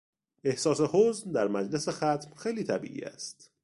احساس حزن در مجلس ختم خیلی طبیعی است.